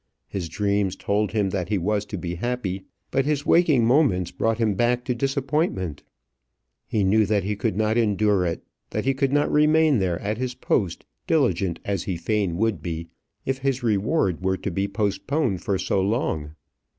His dreams told him that he was to be happy, but his waking moments brought him back to disappointment. He knew that he could not endure it, that he could not remain there at his post, diligent as he fain would be, if his reward were to be postponed for so long.